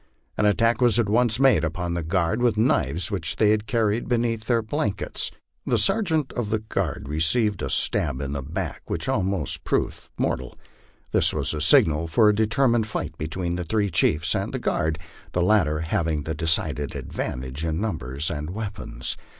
An attack was at once made upon the guard with knives which they carried be neath their blankets. The sergeant of the guard received a stab in the back which almost proved mortal. This was the signal for a determined light between the three chiefs and the guard, the latter having the decided advantage in numbers and weapons.